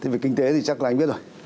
về kinh tế thì chắc là anh biết rồi